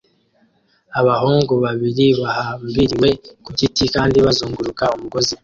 Abahungu babiri bahambiriwe ku giti kandi bazunguruka umugozi